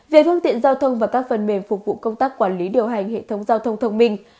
về phương tiện giao thông và các phần mềm phục vụ công tác quản lý điều hành hệ thống giao thông thông minh